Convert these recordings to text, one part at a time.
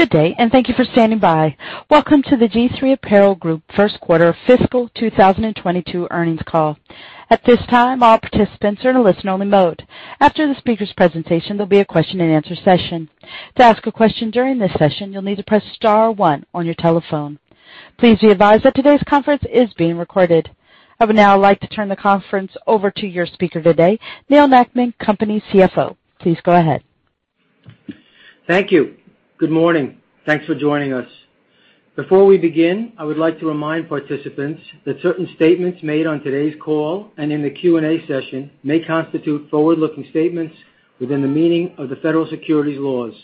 Good day, and thank you for standing by. Welcome to the G-III Apparel Group First Quarter Fiscal 2022 Earnings Call. At this time, all participants are in a listen-only mode. After the speakers' presentation, there'll be a question and answer session. Please be advised that today's conference is being recorded. I would now like to turn the conference over to your speaker today, Neal Nackman, company CFO. Please go ahead. Thank you. Good morning. Thanks for joining us. Before we begin, I would like to remind participants that certain statements made on today's call and in the Q&A session may constitute forward-looking statements within the meaning of the federal securities laws.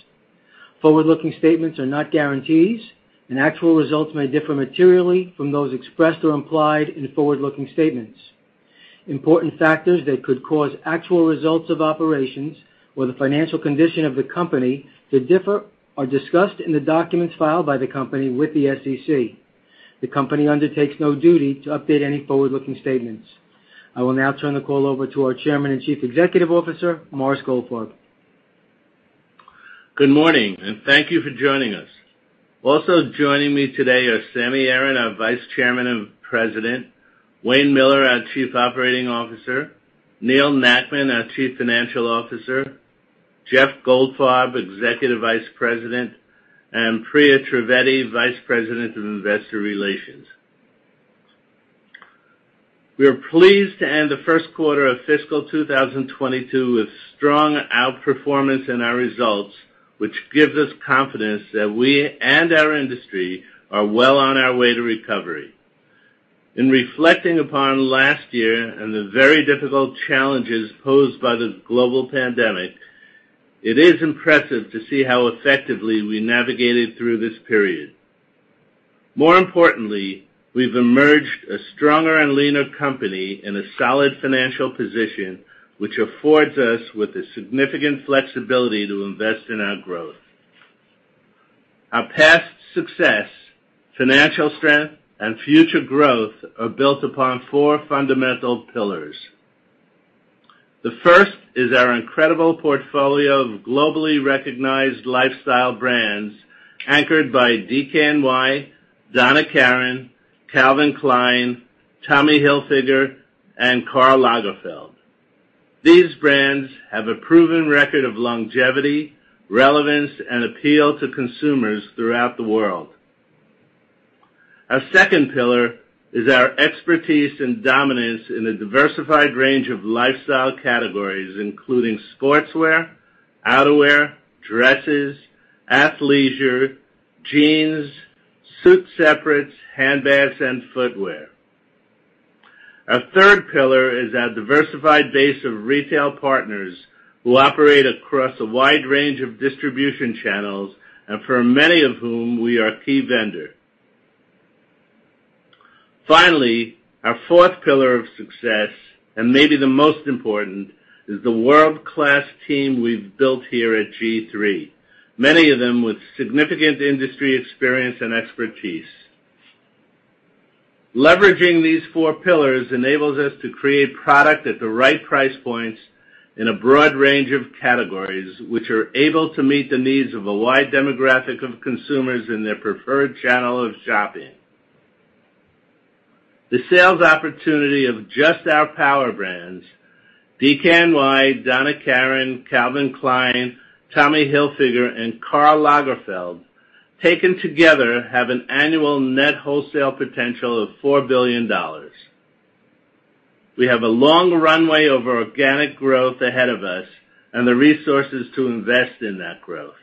Forward-looking statements are not guarantees, and actual results may differ materially from those expressed or implied in forward-looking statements. Important factors that could cause actual results of operations or the financial condition of the company to differ are discussed in the documents filed by the company with the SEC. The company undertakes no duty to update any forward-looking statements. I will now turn the call over to our Chairman and Chief Executive Officer, Morris Goldfarb. Good morning, and thank you for joining us. Also joining me today are Sammy Aaron, Vice Chairman and President, Wayne Miller, Chief Operating Officer, Neal Nackman, Chief Financial Officer, Jeffrey Goldfarb, Executive Vice President, and Priya Trivedi, Vice President of Investor Relations. We are pleased to end the first quarter of fiscal 2022 with strong outperformance in our results, which gives us confidence that we and our industry are well on our way to recovery. In reflecting upon last year and the very difficult challenges posed by the global pandemic, it is impressive to see how effectively we navigated through this period. More importantly, we've emerged a stronger and leaner company in a solid financial position, which affords us with the significant flexibility to invest in our growth. Our past success, financial strength, and future growth are built upon four fundamental pillars. The first is our incredible portfolio of globally recognized lifestyle brands anchored by DKNY, Donna Karan, Calvin Klein, Tommy Hilfiger, and Karl Lagerfeld. These brands have a proven record of longevity, relevance, and appeal to consumers throughout the world. Our second pillar is our expertise and dominance in a diversified range of lifestyle categories, including sportswear, outerwear, dresses, athleisure, jeans, suit separates, handbags, and footwear. Our third pillar is our diversified base of retail partners who operate across a wide range of distribution channels, and for many of whom we are a key vendor. Finally, our fourth pillar of success, and maybe the most important, is the world-class team we've built here at G-III, many of them with significant industry experience and expertise. Leveraging these four pillars enables us to create product at the right price points in a broad range of categories, which are able to meet the needs of a wide demographic of consumers in their preferred channel of shopping. The sales opportunity of just our power brands, DKNY, Donna Karan, Calvin Klein, Tommy Hilfiger, and Karl Lagerfeld, taken together, have an annual net wholesale potential of $4 billion. We have a long runway of organic growth ahead of us and the resources to invest in that growth.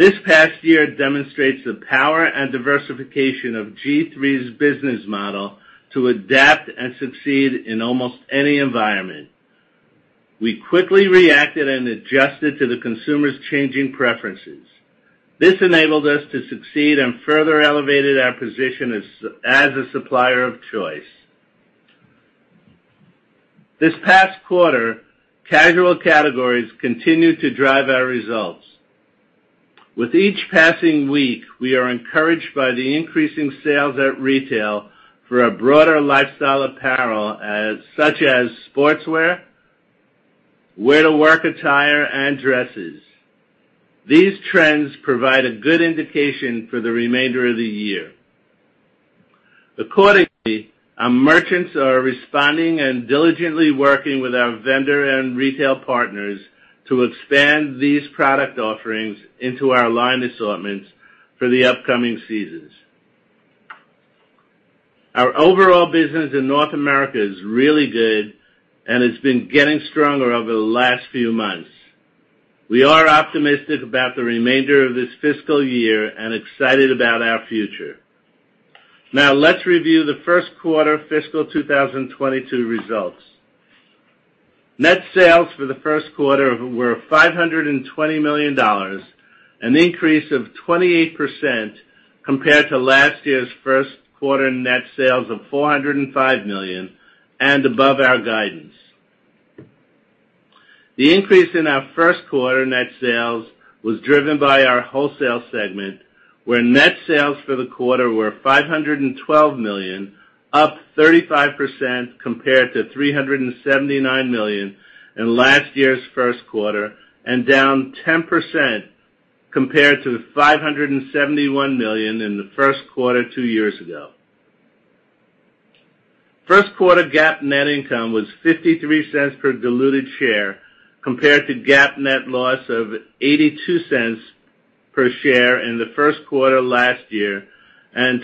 This past year demonstrates the power and diversification of G-III's business model to adapt and succeed in almost any environment. We quickly reacted and adjusted to the consumer's changing preferences. This enabled us to succeed and further elevated our position as a supplier of choice. This past quarter, casual categories continued to drive our results. With each passing week, we are encouraged by the increasing sales at retail for a broader lifestyle apparel, such as sportswear, wear-to-work attire, and dresses. These trends provide a good indication for the remainder of the year. Accordingly, our merchants are responding and diligently working with our vendor and retail partners to expand these product offerings into our line assortments for the upcoming seasons. Our overall business in North America is really good and it's been getting stronger over the last few months. We are optimistic about the remainder of this fiscal year and excited about our future. Now let's review the first quarter fiscal 2022 results. Net sales for the first quarter were $520 million, an increase of 28% compared to last year's first quarter net sales of $405 million and above our guidance. The increase in our first quarter net sales was driven by our wholesale segment, where net sales for the quarter were $512 million, up 35% compared to $379 million in last year's first quarter, and down 10% compared to the $571 million in the first quarter two years ago. First quarter GAAP net income was $0.53 per diluted share compared to GAAP net loss of $0.82 per share in the first quarter last year, and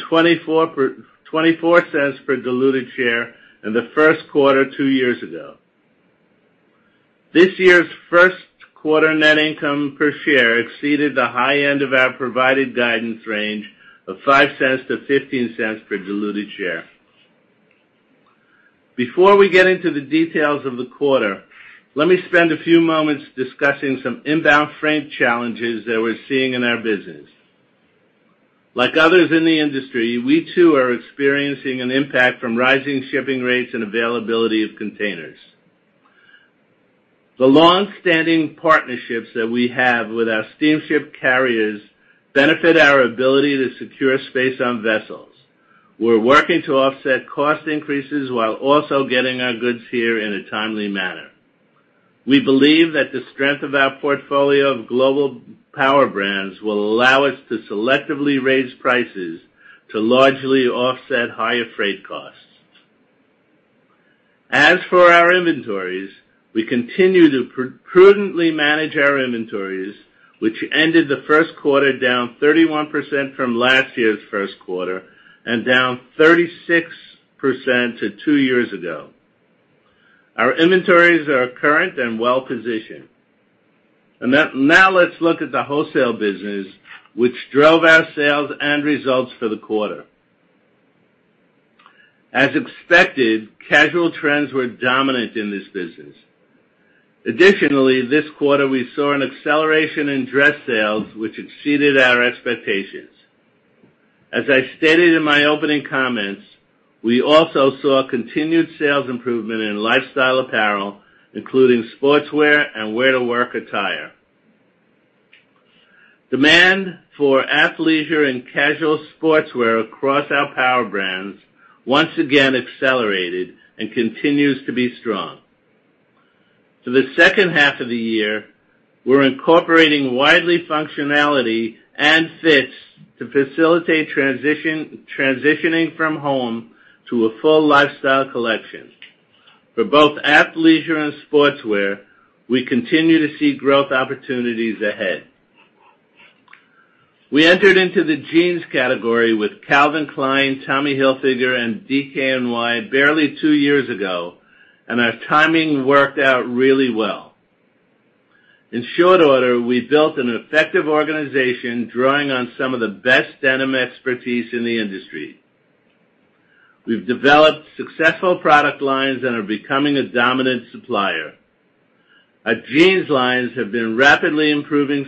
$0.24 per diluted share in the first quarter two years ago. This year's first quarter net income per share exceeded the high end of our provided guidance range of $0.05-$0.15 per diluted share. Before we get into the details of the quarter, let me spend a few moments discussing some inbound freight challenges that we're seeing in our business. Like others in the industry, we too are experiencing an impact from rising shipping rates and availability of containers. The longstanding partnerships that we have with our steamship carriers benefit our ability to secure space on vessels. We're working to offset cost increases while also getting our goods here in a timely manner. We believe that the strength of our portfolio of global power brands will allow us to selectively raise prices to largely offset higher freight costs. As for our inventories, we continue to prudently manage our inventories, which ended the first quarter down 31% from last year's first quarter and down 36% to two years ago. Our inventories are current and well-positioned. Now let's look at the wholesale business, which drove our sales and results for the quarter. As expected, casual trends were dominant in this business. Additionally, this quarter, we saw an acceleration in dress sales, which exceeded our expectations. As I stated in my opening comments, we also saw continued sales improvement in lifestyle apparel, including sportswear and wear-to-work attire. Demand for athleisure and casual sportswear across our power brands once again accelerated and continues to be strong. For the second half of the year, we're incorporating widely functionality and fits to facilitate transitioning from home to a full lifestyle collection. For both athleisure and sportswear, we continue to see growth opportunities ahead. We entered into the jeans category with Calvin Klein, Tommy Hilfiger, and DKNY barely two years ago, and our timing worked out really well. In short order, we built an effective organization drawing on some of the best denim expertise in the industry. We've developed successful product lines and are becoming a dominant supplier. Our jeans lines have seen rapidly improving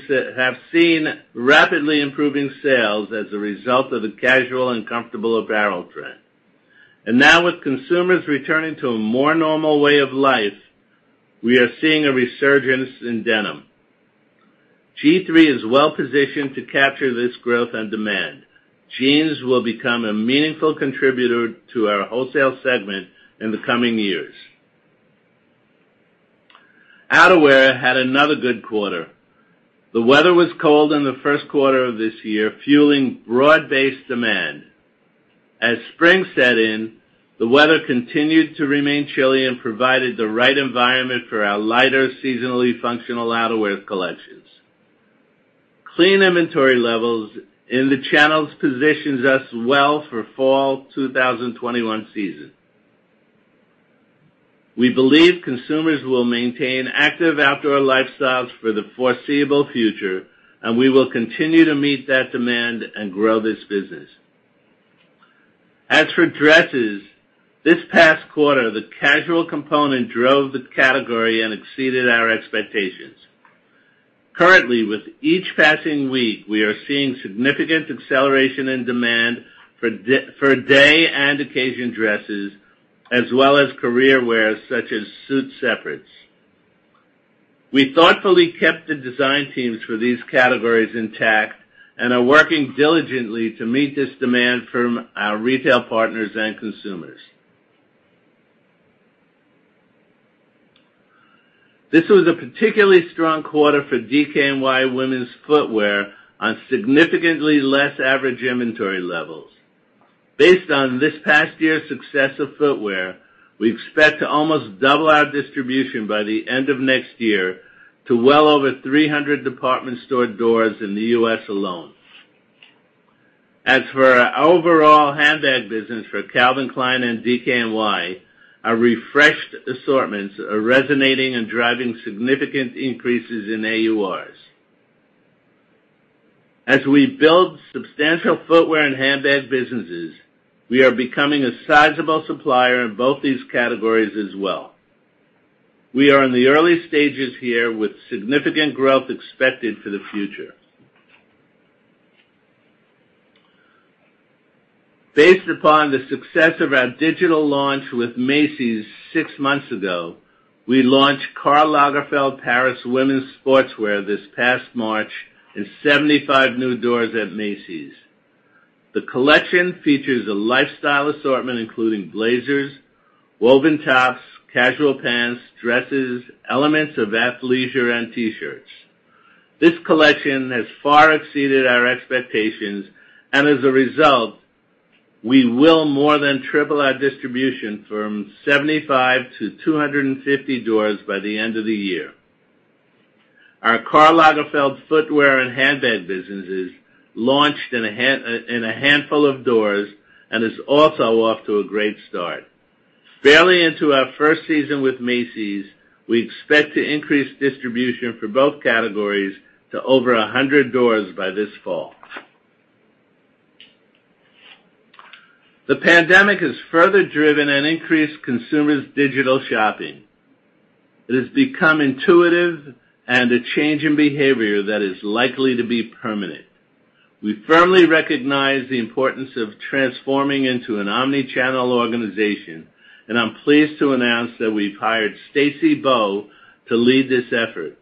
sales as a result of the casual and comfortable apparel trend. Now with consumers returning to a more normal way of life, we are seeing a resurgence in denim. G-III is well-positioned to capture this growth and demand. Jeans will become a meaningful contributor to our wholesale segment in the coming years. Outerwear had another good quarter. The weather was cold in the first quarter of this year, fueling broad-based demand. Spring set in, the weather continued to remain chilly and provided the right environment for our lighter seasonally functional outerwear collections. Clean inventory levels in the channels positions us well for fall 2021 season. We believe consumers will maintain active outdoor lifestyles for the foreseeable future, and we will continue to meet that demand and grow this business. As for dresses, this past quarter, the casual component drove the category and exceeded our expectations. Currently, with each passing week, we are seeing significant acceleration and demand for day and occasion dresses, as well as careerwear such as suit separates. We thoughtfully kept the design teams for these categories intact and are working diligently to meet this demand from our retail partners and consumers. This was a particularly strong quarter for DKNY women's footwear on significantly less average inventory levels. Based on this past year's success of footwear, we expect to almost double our distribution by the end of next year to well over 300 department store doors in the U.S. alone. As for our overall handbag business for Calvin Klein and DKNY, our refreshed assortments are resonating and driving significant increases in AURs. As we build substantial footwear and handbag businesses, we are becoming a sizable supplier in both these categories as well. We are in the early stages here with significant growth expected for the future. Based upon the success of our digital launch with Macy's six months ago, we launched Karl Lagerfeld Paris women's sportswear this past March in 75 new doors at Macy's. The collection features a lifestyle assortment including blazers, woven tops, casual pants, dresses, elements of athleisure, and T-shirts. This collection has far exceeded our expectations. As a result, we will more than triple our distribution from 75 to 250 doors by the end of the year. Our Karl Lagerfeld footwear and handbag businesses launched in a handful of doors and is also off to a great start. Barely into our first season with Macy's, we expect to increase distribution for both categories to over 100 doors by this fall. The pandemic has further driven and increased consumers' digital shopping. It has become intuitive and a change in behavior that is likely to be permanent. We firmly recognize the importance of transforming into an omni-channel organization, and I'm pleased to announce that we've hired Stacy Bowe to lead this effort.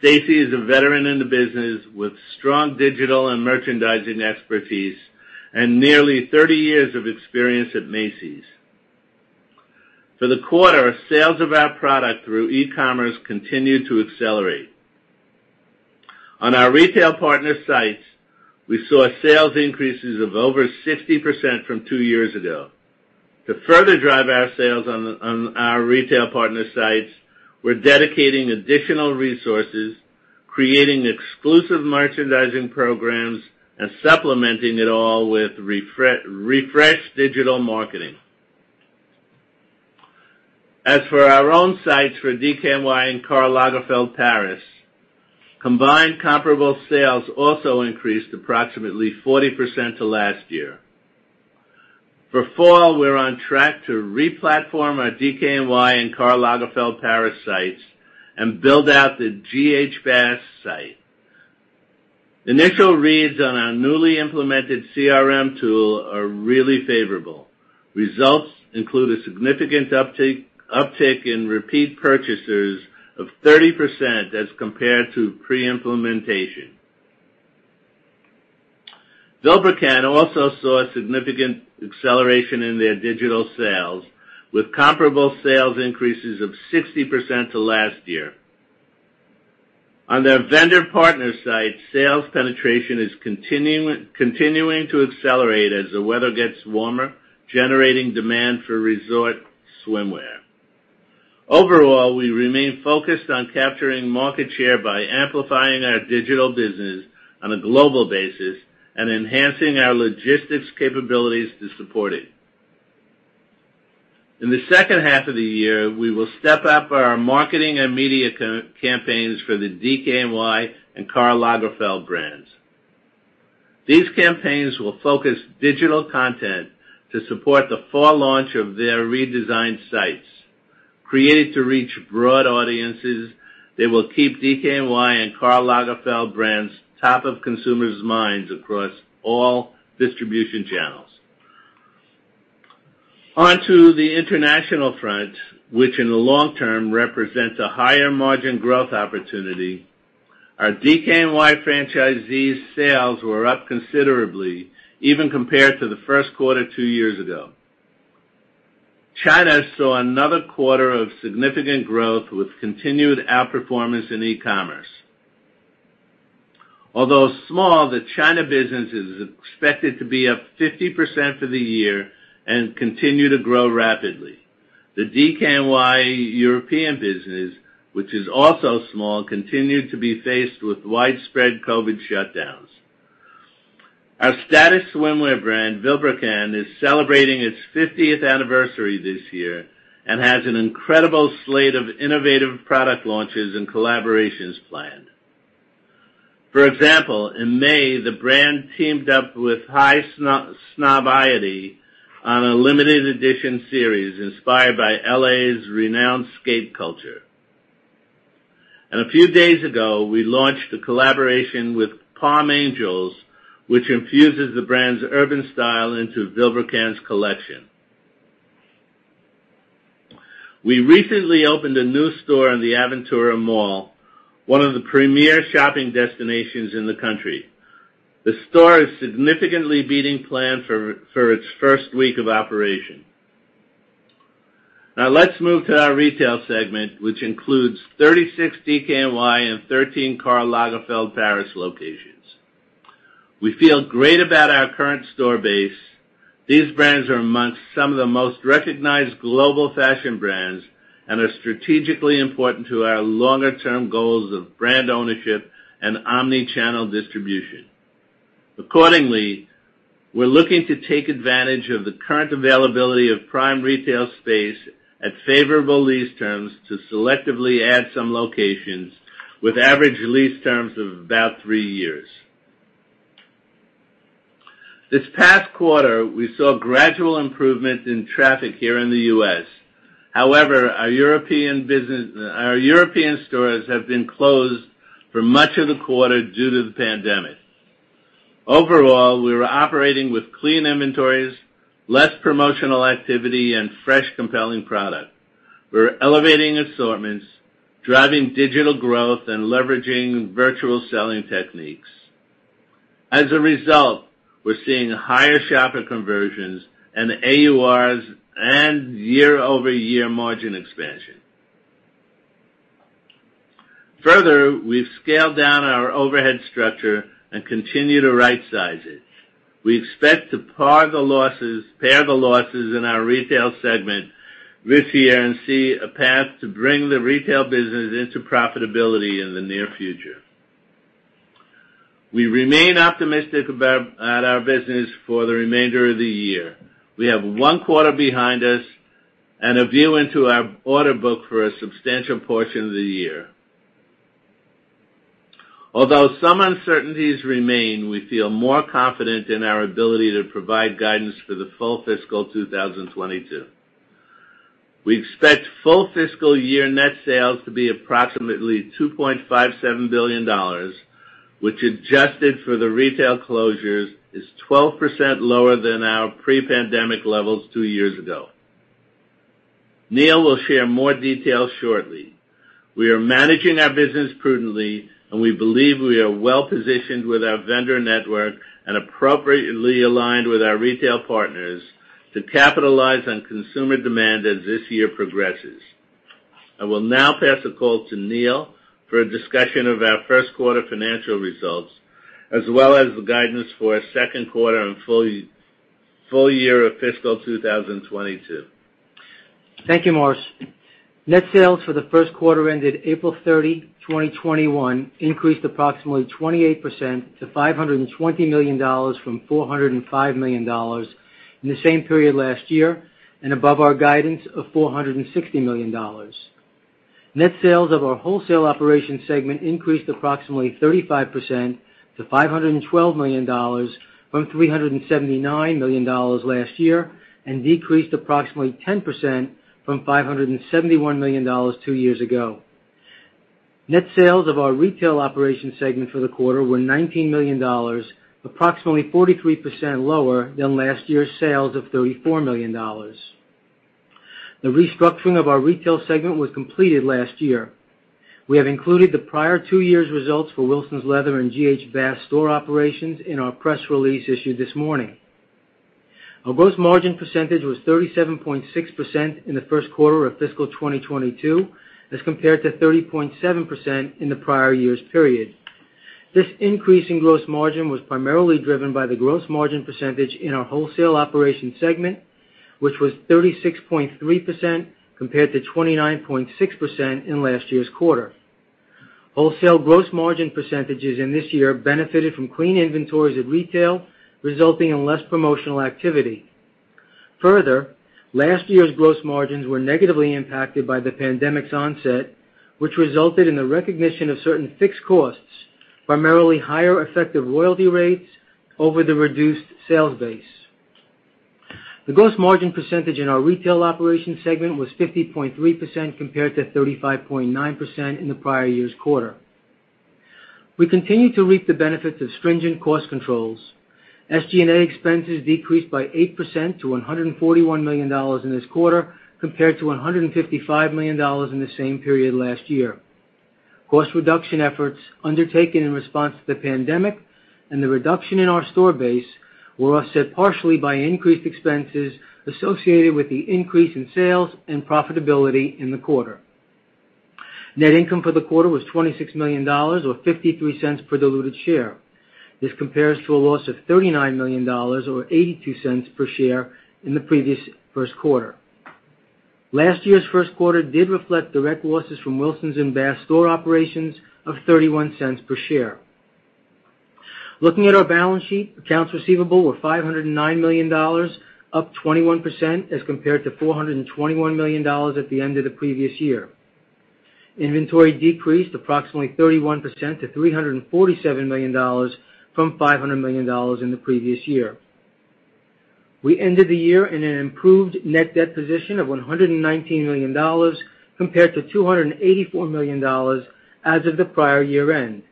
Stacy is a veteran in the business with strong digital and merchandising expertise and nearly 30 years of experience at Macy's. For the quarter, sales of our product through e-commerce continued to accelerate. On our retail partner sites, we saw sales increases of over 60% from two years ago. To further drive our sales on our retail partner sites, we're dedicating additional resources, creating exclusive merchandising programs, and supplementing it all with refreshed digital marketing. As for our own sites for DKNY and Karl Lagerfeld Paris, combined comparable sales also increased approximately 40% to last year. For fall, we're on track to re-platform our DKNY and Karl Lagerfeld Paris sites and build out the G.H. Bass site. Initial reads on our newly implemented CRM tool are really favorable. Results include a significant uptick in repeat purchasers of 30% as compared to pre-implementation. Vilebrequin also saw a significant acceleration in their digital sales, with comparable sales increases of 60% to last year. On their vendor partner site, sales penetration is continuing to accelerate as the weather gets warmer, generating demand for resort swimwear. Overall, we remain focused on capturing market share by amplifying our digital business on a global basis and enhancing our logistics capabilities to support it. In the second half of the year, we will step up our marketing and media campaigns for the DKNY and Karl Lagerfeld brands. These campaigns will focus digital content to support the fall launch of their redesigned sites. Created to reach broad audiences, they will keep DKNY and Karl Lagerfeld brands top of consumers' minds across all distribution channels. Onto the international front, which in the long term represents a higher margin growth opportunity, our DKNY franchisees' sales were up considerably, even compared to the first quarter two years ago. China saw another quarter of significant growth with continued outperformance in e-commerce. Although small, the China business is expected to be up 50% for the year and continue to grow rapidly. The DKNY European business, which is also small, continued to be faced with widespread COVID shutdowns. Our status swimwear brand, Vilebrequin, is celebrating its 50th anniversary this year and has an incredible slate of innovative product launches and collaborations planned. For example, in May, the brand teamed up with Highsnobiety on a limited edition series inspired by L.A.'s renowned skate culture. A few days ago, we launched a collaboration with Palm Angels, which infuses the brand's urban style into Vilebrequin's collection. We recently opened a new store in the Aventura Mall, one of the premier shopping destinations in the country. The store is significantly beating plan for its first week of operation. Now let's move to our retail segment, which includes 36 DKNY and 13 Karl Lagerfeld Paris locations. We feel great about our current store base. These brands are amongst some of the most recognized global fashion brands and are strategically important to our longer-term goals of brand ownership and omni-channel distribution. Accordingly, we're looking to take advantage of the current availability of prime retail space at favorable lease terms to selectively add some locations with average lease terms of about three years. This past quarter, we saw gradual improvement in traffic here in the U.S. However, our European stores have been closed for much of the quarter due to the pandemic. Overall, we are operating with clean inventories, less promotional activity, and fresh, compelling product. We're elevating assortments, driving digital growth, and leveraging virtual selling techniques. As a result, we're seeing higher shopper conversions and AURs and year-over-year margin expansion. Further, we've scaled down our overhead structure and continue to right size it. We expect to pare the losses in our retail segment this year and see a path to bring the retail business into profitability in the near future. We remain optimistic about our business for the remainder of the year. We have one quarter behind us and a view into our order book for a substantial portion of the year. Although some uncertainties remain, we feel more confident in our ability to provide guidance for the full fiscal 2022. We expect full fiscal year net sales to be approximately $2.57 billion, which, adjusted for the retail closures, is 12% lower than our pre-pandemic levels two years ago. Neal will share more details shortly. We are managing our business prudently, and we believe we are well-positioned with our vendor network and appropriately aligned with our retail partners to capitalize on consumer demand as this year progresses. I will now pass the call to Neal for a discussion of our first quarter financial results, as well as the guidance for our second quarter and full year of fiscal 2022. Thank you, Morris. Net sales for the first quarter ended April 30, 2021, increased approximately 28% to $520 million from $405 million in the same period last year and above our guidance of $460 million. Net sales of our wholesale operation segment increased approximately 35% to $512 million from $379 million last year, and decreased approximately 10% from $571 million two years ago. Net sales of our retail operation segment for the quarter were $19 million, approximately 43% lower than last year's sales of $34 million. The restructuring of our retail segment was completed last year. We have included the prior two years' results for Wilsons Leather and G.H. Bass store operations in our press release issued this morning. Our gross margin percentage was 37.6% in the first quarter of fiscal 2022 as compared to 30.7% in the prior year's period. This increase in gross margin was primarily driven by the gross margin percentage in our wholesale operation segment, which was 36.3% compared to 29.6% in last year's quarter. Wholesale gross margin percentages in this year benefited from clean inventories at retail, resulting in less promotional activity. Further, last year's gross margins were negatively impacted by the pandemic's onset, which resulted in the recognition of certain fixed costs, primarily higher effective royalty rates over the reduced sales base. The gross margin percentage in our retail operation segment was 50.3% compared to 35.9% in the prior year's quarter. We continue to reap the benefits of stringent cost controls. SG&A expenses decreased by 8% to $141 million in this quarter compared to $155 million in the same period last year. Cost reduction efforts undertaken in response to the pandemic and the reduction in our store base were offset partially by increased expenses associated with the increase in sales and profitability in the quarter. Net income for the quarter was $26 million, or $0.53 per diluted share. This compares to a loss of $39 million, or $0.82 per share in the previous first quarter. Last year's first quarter did reflect direct losses from Wilsons and G.H. Bass store operations of $0.31 per share. Looking at our balance sheet, accounts receivable were $509 million, up 21% as compared to $421 million at the end of the previous year. Inventory decreased approximately 31% to $347 million from $500 million in the previous year. We ended the year in an improved net debt position of $119 million, compared to $284 million as of the prior year end.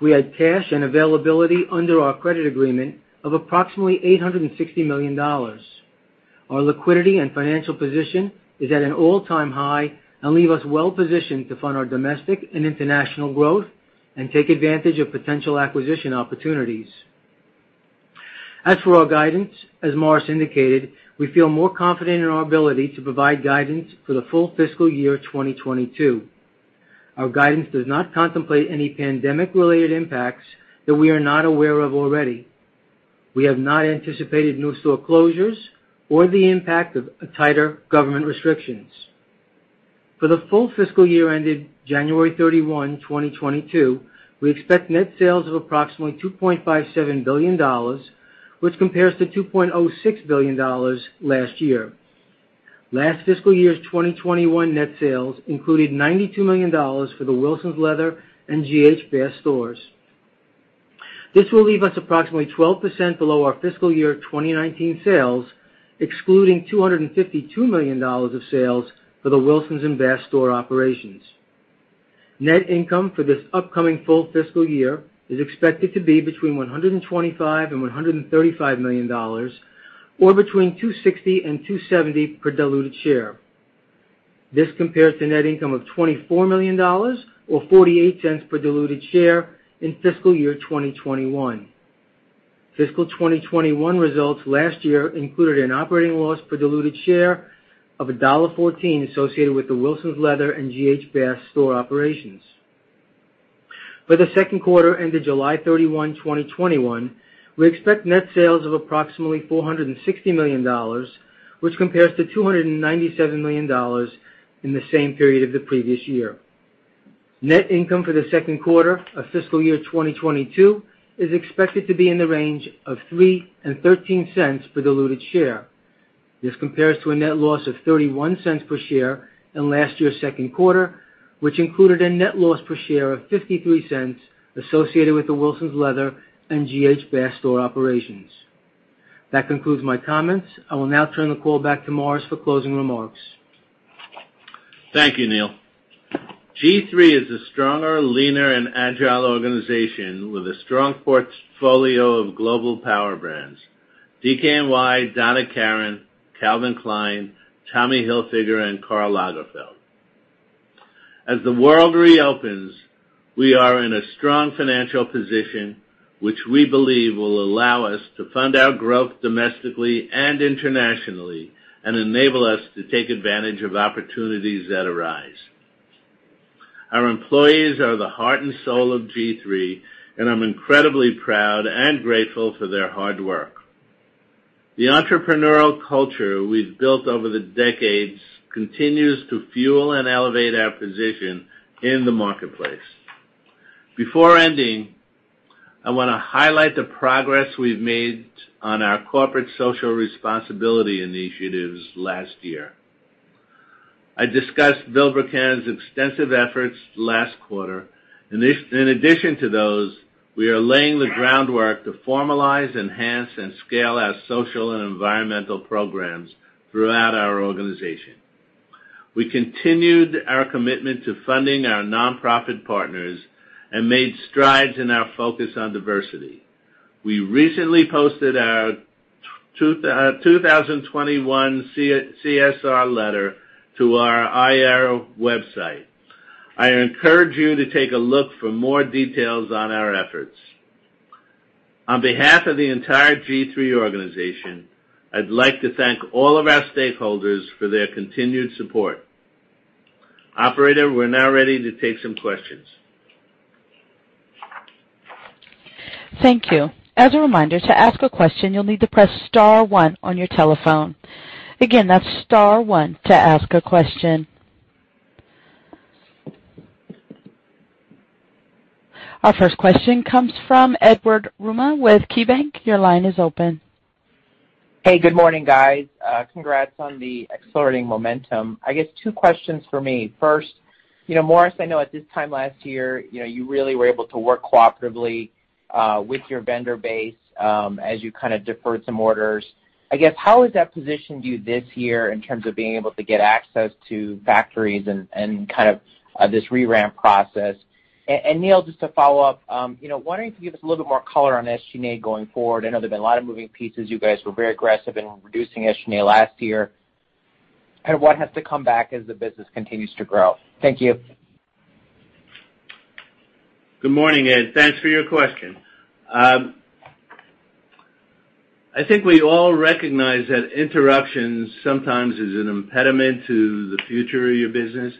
We had cash and availability under our credit agreement of approximately $860 million. Our liquidity and financial position is at an all-time high and leave us well positioned to fund our domestic and international growth and take advantage of potential acquisition opportunities. As for our guidance, as Morris indicated, we feel more confident in our ability to provide guidance for the full fiscal year 2022. Our guidance does not contemplate any pandemic-related impacts that we are not aware of already. We have not anticipated new store closures or the impact of tighter government restrictions. For the full fiscal year ended January 31, 2022, we expect net sales of approximately $2.57 billion, which compares to $2.06 billion last year. Last fiscal year's 2021 net sales included $92 million for the Wilsons Leather and G.H. Bass stores. This will leave us approximately 12% below our fiscal year 2019 sales, excluding $252 million of sales for the Wilsons and Bass store operations. Net income for this upcoming full fiscal year is expected to be between $125 and $135 million, or between $2.60 and $2.70 per diluted share. This compares to net income of $24 million, or $0.48 per diluted share in fiscal year 2021. Fiscal 2021 results last year included an operating loss per diluted share of $1.14 associated with the Wilsons Leather and G.H. Bass store operations. For the second quarter ended July 31, 2021, we expect net sales of approximately $460 million, which compares to $297 million in the same period of the previous year. Net income for the second quarter of fiscal year 2022 is expected to be in the range of $0.03-$0.13 per diluted share. This compares to a net loss of $0.31 per share in last year's second quarter, which included a net loss per share of $0.53 associated with the Wilsons Leather and G.H. Bass store operations. That concludes my comments. I will now turn the call back to Morris for closing remarks. Thank you, Neal. G-III is a stronger, leaner, and agile organization with a strong portfolio of global power brands, DKNY, Donna Karan, Calvin Klein, Tommy Hilfiger, and Karl Lagerfeld. As the world reopens, we are in a strong financial position, which we believe will allow us to fund our growth domestically and internationally and enable us to take advantage of opportunities that arise. Our employees are the heart and soul of G-III, and I'm incredibly proud and grateful for their hard work. The entrepreneurial culture we've built over the decades continues to fuel and elevate our position in the marketplace. Before ending, I want to highlight the progress we've made on our corporate social responsibility initiatives last year. I discussed Vilebrequin's extensive efforts last quarter. In addition to those, we are laying the groundwork to formalize, enhance, and scale our social and environmental programs throughout our organization. We continued our commitment to funding our non-profit partners and made strides in our focus on diversity. We recently posted our 2021 CSR letter to our IR website. I encourage you to take a look for more details on our efforts. On behalf of the entire G-III organization, I'd like to thank all of our stakeholders for their continued support. Operator, we're now ready to take some questions. Thank you. As a reminder, to ask a question, you'll need to press star one on your telephone. Again, that's star one to ask a question. Our first question comes from Edward Yruma with KeyBanc. Your line is open. Hey, good morning, guys. Congrats on the accelerating momentum. I guess two questions for me. First, Morris, I know at this time last year, you really were able to work cooperatively with your vendor base as you deferred some orders. I guess, how has that positioned you this year in terms of being able to get access to factories and this re-ramp process? Neal, just to follow up, wanting to give us a little more color on SG&A going forward. I know there's been a lot of moving pieces. You guys were very aggressive in reducing SG&A last year, and what has to come back as the business continues to grow. Thank you. Good morning, Ed. Thanks for your question. I think we all recognize that interruption sometimes is an impediment to the future of your business.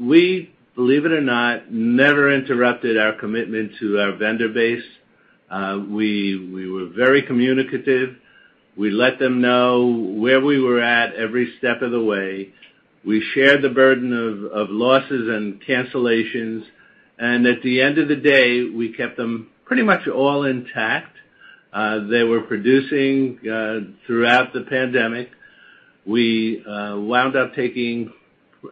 We, believe it or not, never interrupted our commitment to our vendor base. We were very communicative. We let them know where we were at every step of the way. We shared the burden of losses and cancellations. At the end of the day, we kept them pretty much all intact. They were producing throughout the pandemic. We wound up taking,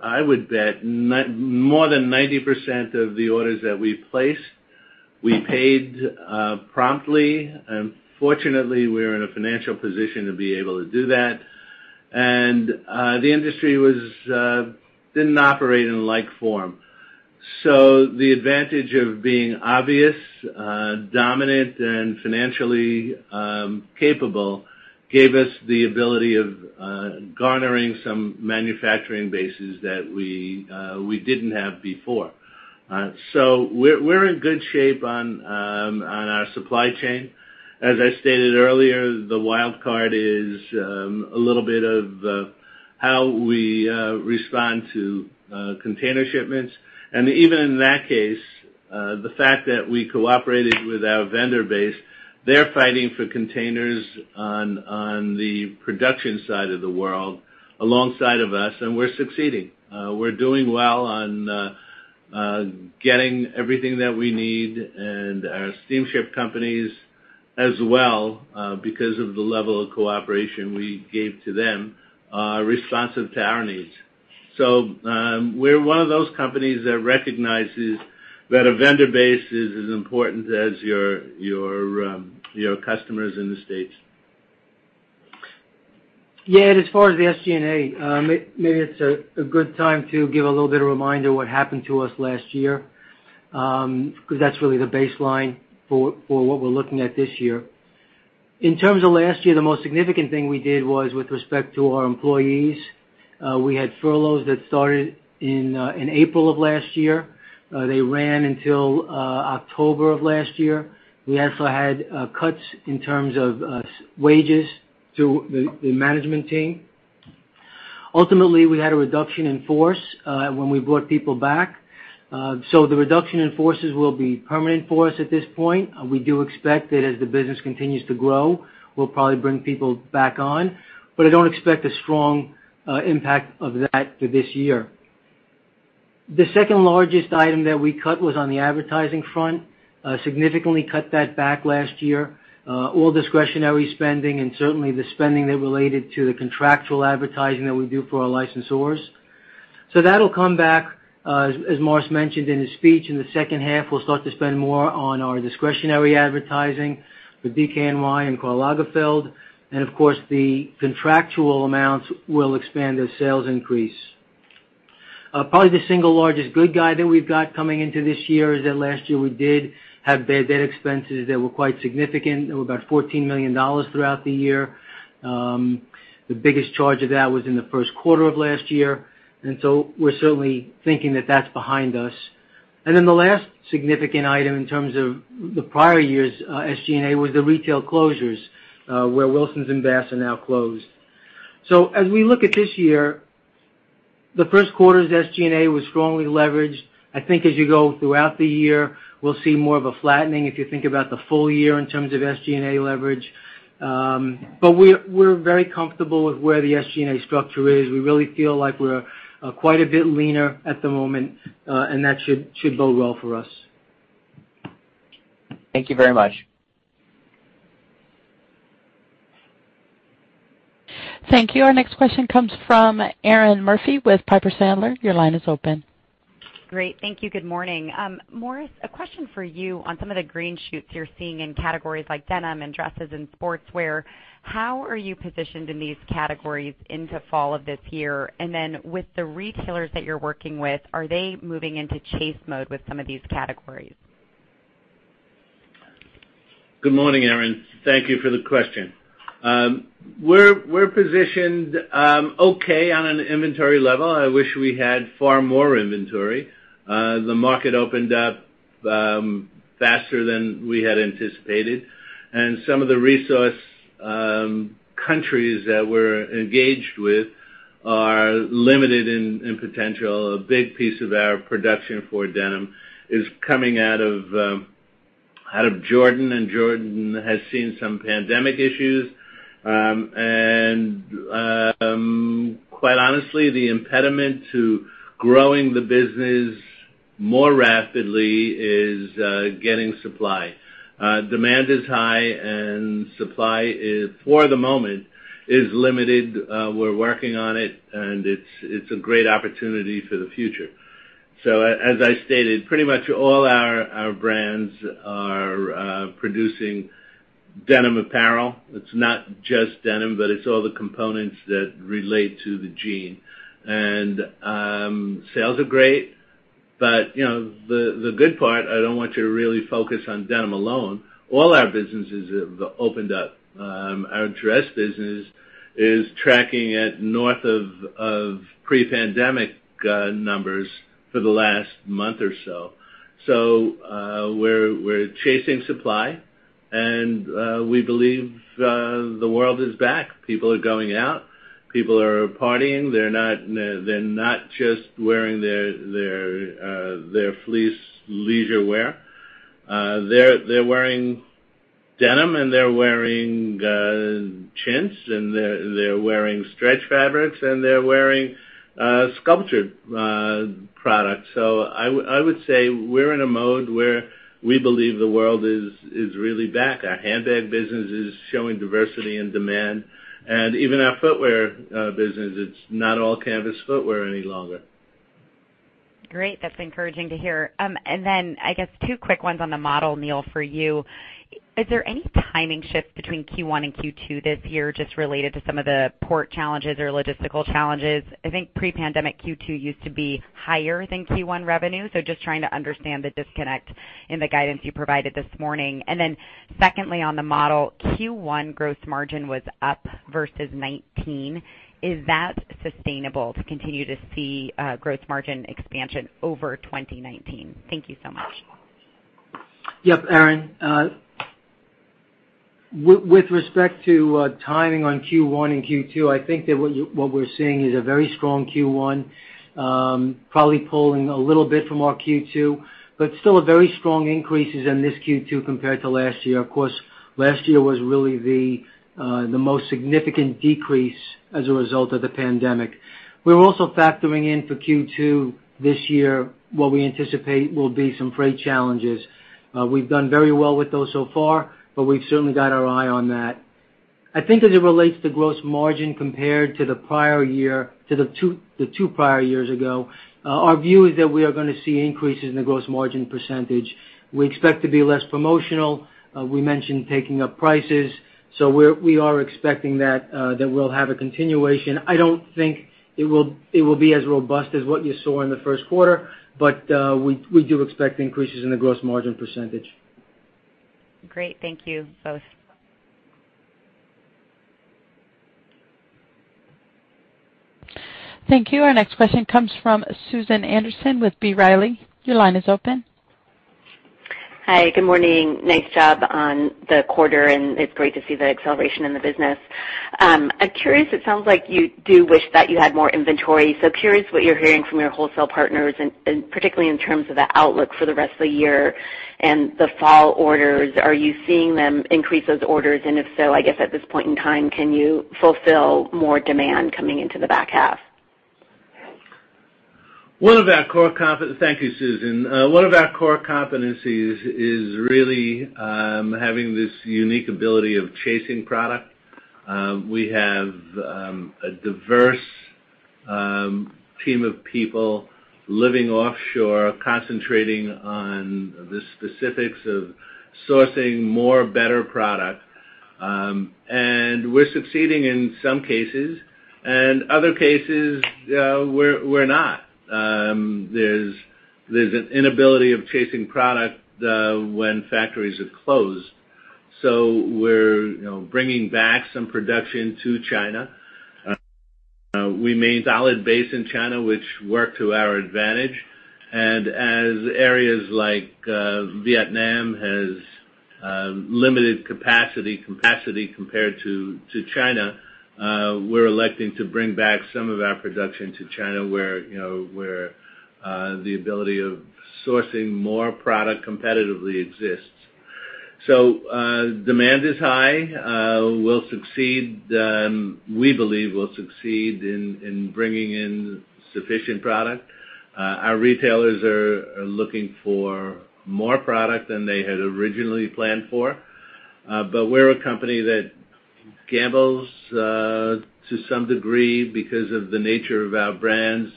I would bet, more than 90% of the orders that we placed. We paid promptly. Fortunately, we were in a financial position to be able to do that. The industry didn't operate in like form. The advantage of being obvious, dominant, and financially capable gave us the ability of garnering some manufacturing bases that we didn't have before. We're in good shape on our supply chain. As I stated earlier, the wild card is a little bit of how we respond to container shipments. Even in that case, the fact that we cooperated with our vendor base, they're fighting for containers on the production side of the world alongside of us, and we're succeeding. We're doing well on getting everything that we need and our steamship companies as well because of the level of cooperation we gave to them, responsive to our needs. We're one of those companies that recognizes that a vendor base is as important as your customers in the States. As far as the SG&A, maybe it's a good time to give a little bit of reminder what happened to us last year, because that's really the baseline for what we're looking at this year. In terms of last year, the most significant thing we did was with respect to our employees. We had furloughs that started in April of last year. They ran until October of last year. We also had cuts in terms of wages to the management team. Ultimately, we had a reduction in force when we brought people back. The reduction in forces will be permanent for us at this point. We do expect that as the business continues to grow, we'll probably bring people back on. I don't expect a strong impact of that for this year. The second largest item that we cut was on the advertising front. Significantly cut that back last year. All discretionary spending and certainly the spending that related to the contractual advertising that we do for our licensors. That'll come back, as Morris mentioned in his speech, in the second half. We'll start to spend more on our discretionary advertising with DKNY and Karl Lagerfeld. Of course, the contractual amounts will expand as sales increase. Probably the single largest good guy that we've got coming into this year is that last year we did have bad debt expenses that were quite significant. They were about $14 million throughout the year. The biggest charge of that was in the first quarter of last year. We're certainly thinking that that's behind us. The last significant item in terms of the prior year's SG&A was the retail closures, where Wilsons and Bass are now closed. As we look at this year, the first quarter's SG&A was strongly leveraged. I think as you go throughout the year, we'll see more of a flattening if you think about the full year in terms of SG&A leverage. We're very comfortable with where the SG&A structure is. We really feel like we're quite a bit leaner at the moment, and that should bode well for us. Thank you very much. Thank you. Our next question comes from Erinn Murphy with Piper Sandler. Your line is open. Great. Thank you. Good morning. Morris, a question for you on some of the green shoots you're seeing in categories like denim and dresses and sportswear. How are you positioned in these categories into fall of this year? With the retailers that you're working with, are they moving into chase mode with some of these categories? Good morning, Erinn. Thank you for the question. We're positioned okay on an inventory level. I wish we had far more inventory. The market opened up faster than we had anticipated. Some of the resource countries that we're engaged with are limited in potential. A big piece of our production for denim is coming out of Jordan. Jordan has seen some pandemic issues. Quite honestly, the impediment to growing the business more rapidly is getting supply. Demand is high. Supply, for the moment, is limited. We're working on it. It's a great opportunity for the future. As I stated, pretty much all our brands are producing denim apparel. It's not just denim. It's all the components that relate to the jean. Sales are great. The good part, I don't want to really focus on denim alone. All our businesses have opened up. Our dress business is tracking at north of pre-pandemic numbers for the last month or so. We're chasing supply, and we believe the world is back. People are going out. People are partying. They're not just wearing their fleece leisure wear. They're wearing denim, and they're wearing chintz, and they're wearing stretch fabrics, and they're wearing [structured] products. I would say we're in a mode where we believe the world is really back. Our handbag business is showing diversity and demand, and even our footwear business, it's not all canvas footwear any longer. Great. That's encouraging to hear. Then, I guess two quick ones on the model, Neal, for you. Is there any timing shift between Q1 and Q2 this year just related to some of the port challenges or logistical challenges? I think pre-pandemic Q2 used to be higher than Q1 revenue. Just trying to understand the disconnect in the guidance you provided this morning. Then secondly, on the model, Q1 gross margin was up versus 2019. Is that sustainable to continue to see gross margin expansion over 2019? Thank you so much. Yep, Erinn. With respect to timing on Q1 and Q2, I think that what we're seeing is a very strong Q1, probably pulling a little bit from our Q2, but still a very strong increases in this Q2 compared to last year. Of course, last year was really the most significant decrease as a result of the pandemic. We're also factoring in for Q2 this year what we anticipate will be some freight challenges. We've done very well with those so far, but we've certainly got our eye on that. I think as it relates to gross margin compared to the two prior years ago, our view is that we are going to see increases in the gross margin percentage. We expect to be less promotional. We mentioned taking up prices. We are expecting that we'll have a continuation. I don't think it will be as robust as what you saw in the first quarter, but we do expect increases in the gross margin percentage. Great. Thank you both. Thank you. Our next question comes from Susan Anderson with B. Riley. Your line is open. Hi, good morning. Nice job on the quarter, and it's great to see the acceleration in the business. I'm curious, it sounds like you do wish that you had more inventory. Curious what you're hearing from your wholesale partners, and particularly in terms of the outlook for the rest of the year and the fall orders. Are you seeing them increase those orders? If so, I guess at this point in time, can you fulfill more demand coming into the back half? Thank you, Susan. One of our core competencies is really having this unique ability of chasing product. We have a diverse team of people living offshore, concentrating on the specifics of sourcing more better product. We're succeeding in some cases, and other cases, we're not. There's an inability of chasing product when factories have closed. We're bringing back some production to China. We made solid base in China, which worked to our advantage. As areas like Vietnam has limited capacity compared to China, we're electing to bring back some of our production to China, where the ability of sourcing more product competitively exists. Demand is high. We believe we'll succeed in bringing in sufficient product. Our retailers are looking for more product than they had originally planned for. We're a company that gambles to some degree because of the nature of our brands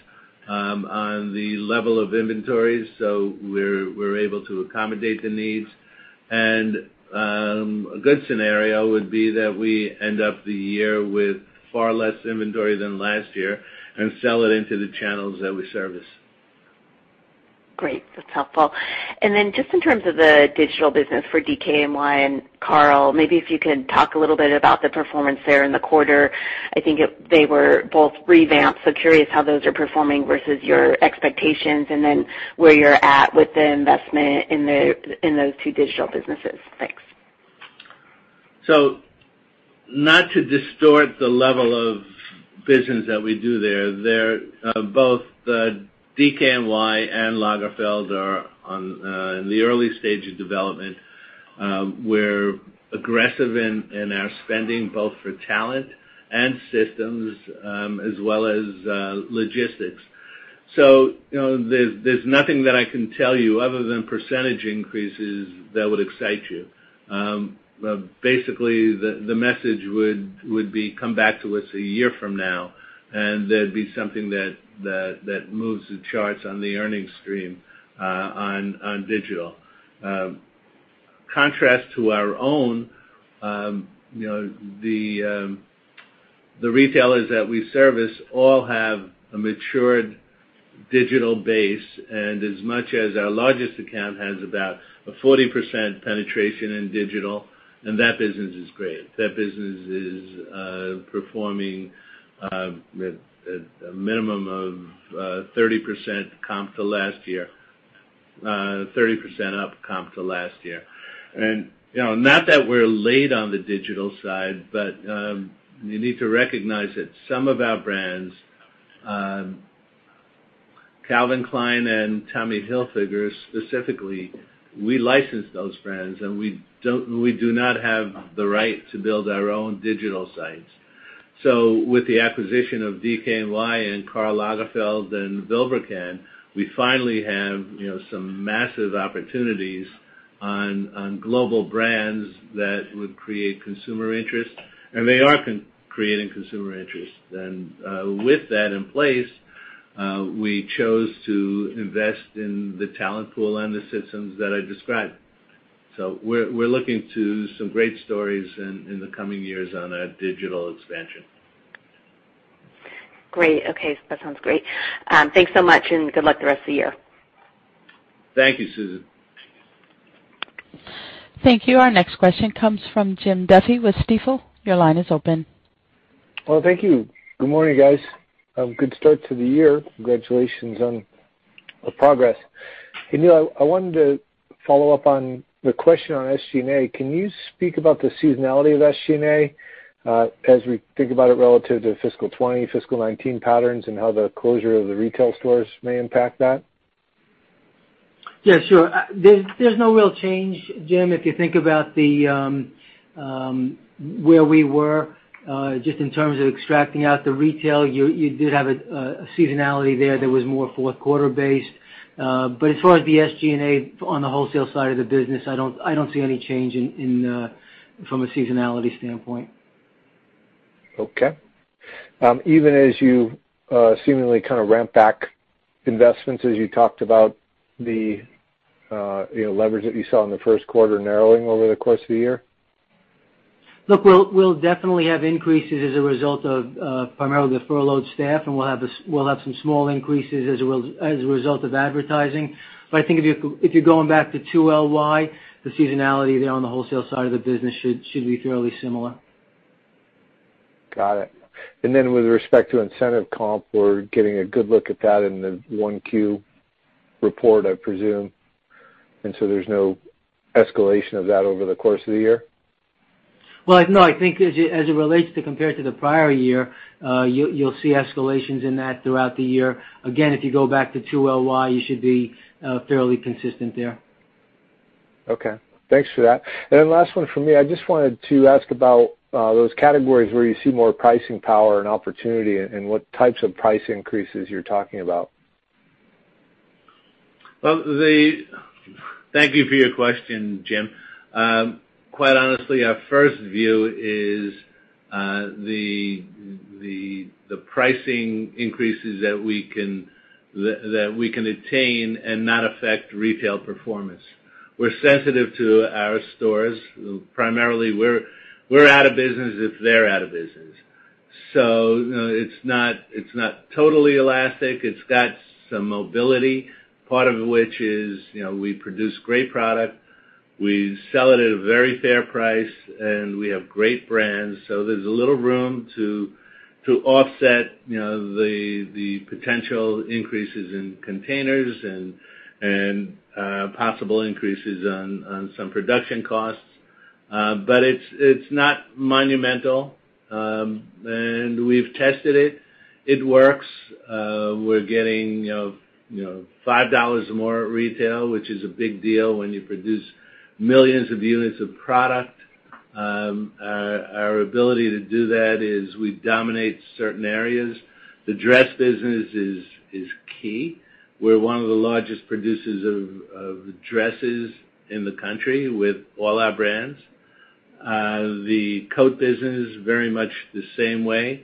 on the level of inventories, so we're able to accommodate the needs. A good scenario would be that we end up the year with far less inventory than last year and sell it into the channels that we service. Great. That's helpful. Then just in terms of the digital business for DKNY and Karl, maybe if you could talk a little bit about the performance there in the quarter. I think they were both revamped, so curious how those are performing versus your expectations, then where you're at with the investment in those two digital businesses. Thanks. Not to distort the level of business that we do there. Both DKNY and Lagerfeld are in the early stage of development. We're aggressive in our spending, both for talent and systems, as well as logistics. There's nothing that I can tell you other than percentage increases that would excite you. Basically, the message would be come back to us a year from now, and there'd be something that moves the charts on the earnings stream on digital. Contrast to our own, the retailers that we service all have a matured digital base, as much as our largest account has about a 40% penetration in digital, and that business is great. That business is performing a minimum of 30% up comp to last year. Not that we're late on the digital side, but you need to recognize that some of our brands, Calvin Klein and Tommy Hilfiger specifically, we license those brands, and we do not have the right to build our own digital sites. With the acquisition of DKNY and Karl Lagerfeld and Vilebrequin, we finally have some massive opportunities on global brands that would create consumer interest, and they are creating consumer interest. With that in place, we chose to invest in the talent pool and the systems that I described. We're looking to some great stories in the coming years on our digital expansion. Great. Okay. That sounds great. Thanks so much. Good luck the rest of the year. Thank you, Susan. Thank you. Our next question comes from Jim Duffy with Stifel. Your line is open. Well, thank you. Good morning, guys. A good start to the year. Congratulations on the progress. Neal Nackman, I wanted to follow up on the question on SG&A. Can you speak about the seasonality of SG&A as we think about it relative to fiscal 2020, fiscal 2019 patterns and how the closure of the retail stores may impact that? Yeah, sure. There's no real change, Jim. If you think about where we were just in terms of extracting out the retail, you did have a seasonality there that was more fourth quarter based. As far as the SG&A on the wholesale side of the business, I don't see any change from a seasonality standpoint. Okay. Even as you seemingly ramp back investments as you talked about the leverage that you saw in the first quarter narrowing over the course of the year? Look, we'll definitely have increases as a result of primarily the furloughed staff, and we'll have some small increases as a result of advertising. I think if you're going back to 2LY, the seasonality on the wholesale side of the business should be fairly similar. Got it. With respect to incentive comp, we're getting a good look at that in the 1Q report, I presume. There's no escalation of that over the course of the year? Well, no, I think as it relates to compared to the prior year, you'll see escalations in that throughout the year. If you go back to 2LY, you should be fairly consistent there. Okay, thanks for that. Last one from me. I just wanted to ask about those categories where you see more pricing power and opportunity and what types of price increases you're talking about. Thank you for your question, Jim. Quite honestly, our first view is the pricing increases that we can attain and not affect retail performance. We're sensitive to our stores. Primarily, we're out of business if they're out of business. It's not totally elastic. It's got some mobility, part of which is we produce great product, we sell it at a very fair price, and we have great brands. There's a little room to offset the potential increases in containers and possible increases on some production costs. It's not monumental. We've tested it. It works. We're getting $5 or more at retail, which is a big deal when you produce millions of units of product. Our ability to do that is we dominate certain areas. The dress business is key. We're one of the largest producers of dresses in the country with all our brands. The coat business is very much the same way.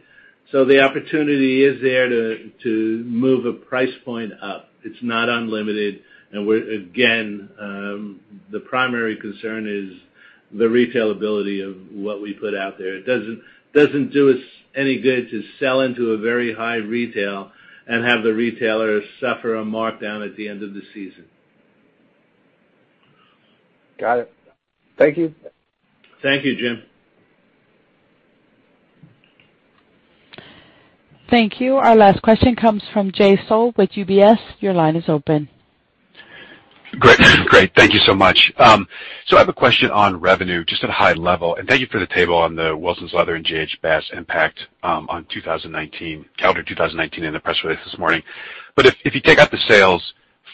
The opportunity is there to move a price point up. It's not unlimited, and again, the primary concern is the retail ability of what we put out there. It doesn't do us any good to sell into a very high retail and have the retailer suffer a markdown at the end of the season. Got it. Thank you. Thank you, Jim. Thank you. Our last question comes from Jay Sole with UBS. Your line is open. Great. Thank you so much. I have a question on revenue, just at high level, and thank you for the table on the Wilsons Leather and G.H. Bass impact on calendar 2019 in the press release this morning. If you take out the sales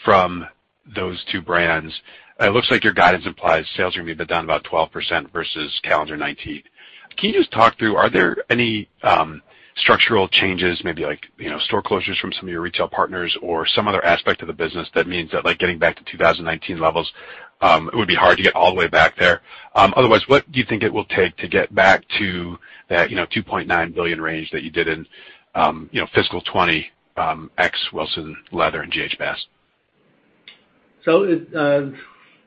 from those two brands, it looks like your guidance implies sales are going to be down about 12% versus calendar 2019. Can you just talk to, are there any structural changes, maybe store closures from some of your retail partners or some other aspect of the business that means that getting back to 2019 levels, it would be hard to get all the way back there. Otherwise, what do you think it will take to get back to that $2.9 billion range that you did in fiscal 2020, ex Wilsons Leather and G.H. Bass?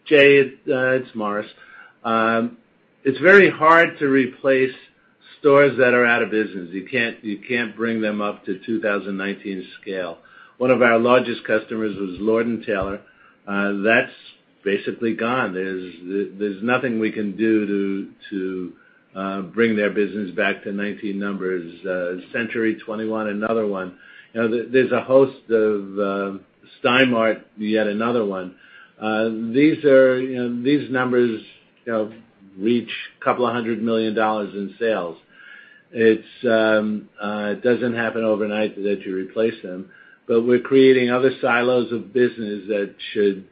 Jay, it's Morris. It's very hard to replace stores that are out of business. You can't bring them up to 2019 scale. One of our largest customers was Lord & Taylor. That's basically gone. There's nothing we can do to bring their business back to 2019 numbers. Century 21, another one. Stein Mart, yet another one. These numbers reach a couple of hundred million in sales. It doesn't happen overnight to actually replace them. We're creating other silos of business that should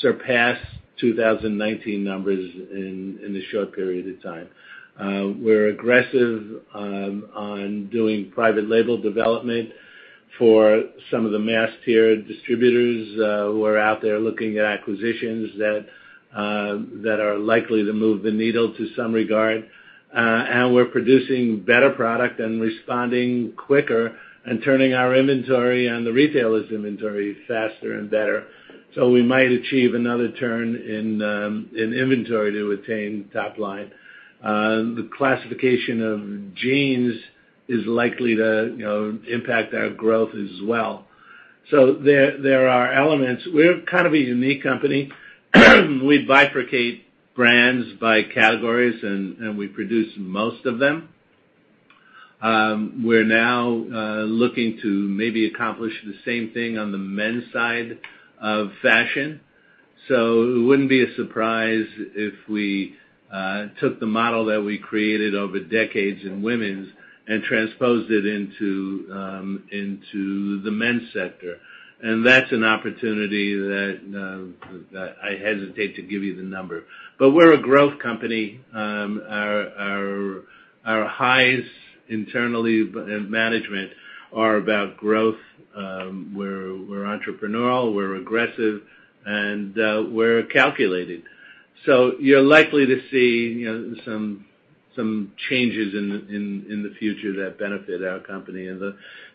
surpass 2019 numbers in a short period of time. We're aggressive on doing private label development for some of the mass tier distributors who are out there looking at acquisitions that are likely to move the needle to some regard. We're producing better product and responding quicker and turning our inventory and the retailer's inventory faster and better. We might achieve another turn in inventory to attain top line. The classification of jeans is likely to impact our growth as well. There are elements. We're kind of a unique company. We bifurcate brands by categories, and we produce most of them. We're now looking to maybe accomplish the same thing on the men's side of fashion. It wouldn't be a surprise if we took the model that we created over decades in women's and transposed it into the men's sector. That's an opportunity that I hesitate to give you the number. We're a growth company. Internally, management are about growth. We're entrepreneurial, we're aggressive, and we're calculated. You're likely to see some changes in the future that benefit our company.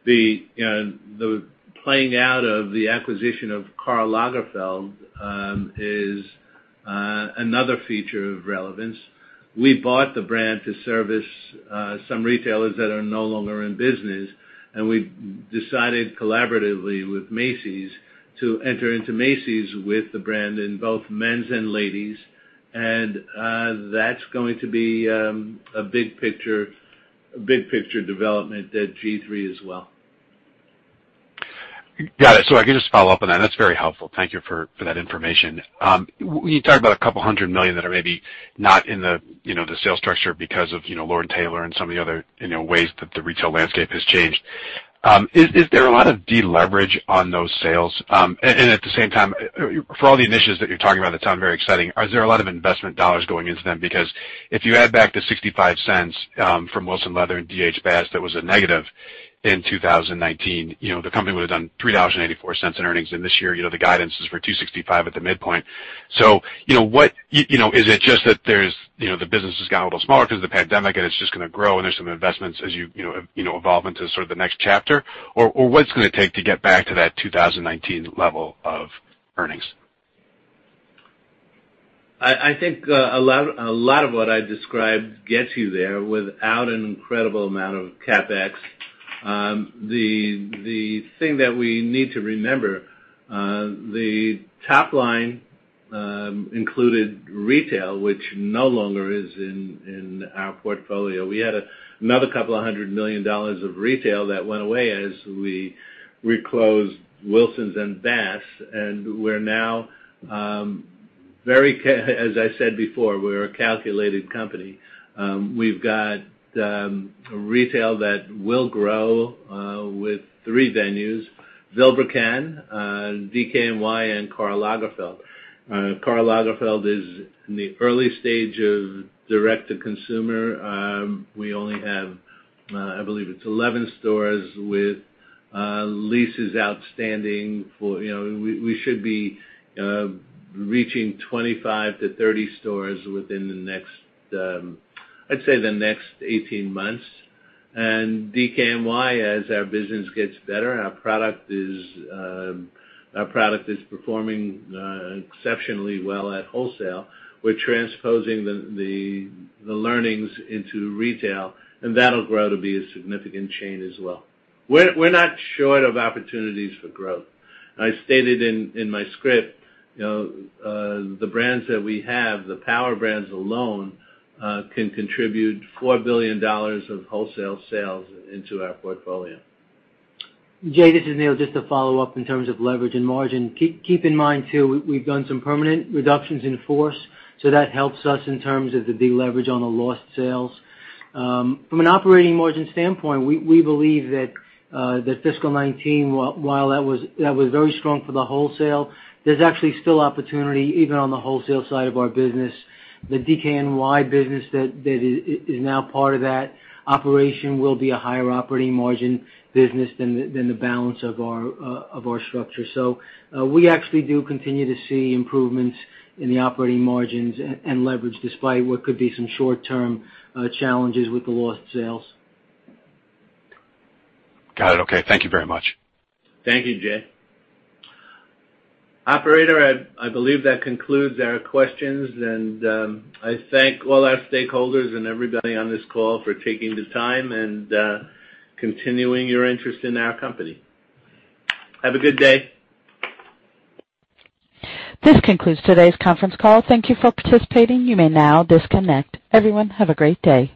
The playing out of the acquisition of Karl Lagerfeld is another feature of relevance. We bought the brand to service some retailers that are no longer in business, and we decided collaboratively with Macy's to enter into Macy's with the brand in both men's and ladies'. That's going to be a big picture development at G-III as well. Got it. If I can just follow up on that. That's very helpful. Thank you for that information. You talked about a couple hundred million that are maybe not in the sales structure because of Lord & Taylor and some of the other ways that the retail landscape has changed. Is there a lot of deleverage on those sales? At the same time, for all the initiatives that you're talking about that sound very exciting, are there a lot of investment dollars going into them? If you add back the $0.65 from Wilsons Leather and G.H. Bass, that was a negative in 2019. The company was on $3.84 in earnings, and this year, the guidance is for $2.65 at the midpoint. Is it just that the business has gotten a little smaller because of the pandemic, and it's just going to grow, and there's some investments as you evolve into sort of the next chapter? Or what's it going to take to get back to that 2019 level of earnings? I think a lot of what I described gets you there without an incredible amount of CapEx. The thing that we need to remember, the top line included retail, which no longer is in our portfolio. We had another couple of $100 million of retail that went away as we closed Wilsons and Bass. We're now, as I said before, we're a calculated company. We've got retail that will grow with three venues, Vilebrequin, DKNY, and Karl Lagerfeld. Karl Lagerfeld is in the early stage of direct-to-consumer. We only have, I believe it's 11 stores with leases outstanding. We should be reaching 25 to 30 stores within, I'd say, the next 18 months. DKNY, as our business gets better, our product is performing exceptionally well at wholesale. We're transposing the learnings into retail, and that'll grow to be a significant chain as well. We're not short of opportunities for growth. I stated in my script the brands that we have, the power brands alone, can contribute $4 billion of wholesale sales into our portfolio. Jay, this is Neal, just to follow up in terms of leverage and margin. Keep in mind, too, we've done some permanent reductions in force, that helps us in terms of the deleverage on the lost sales. From an operating margin standpoint, we believe that fiscal 2019, while that was very strong for the wholesale, there's actually still opportunity even on the wholesale side of our business. The DKNY business that is now part of that operation will be a higher operating margin business than the balance of our structure. We actually do continue to see improvements in the operating margins and leverage, despite what could be some short-term challenges with the lost sales. Got it. Okay. Thank you very much. Thank you, Jay. Operator, I believe that concludes our questions, and I thank all our stakeholders and everybody on this call for taking the time and continuing your interest in our company. Have a good day. This concludes today's conference call. Thank you for participating. You may now disconnect. Everyone, have a great day.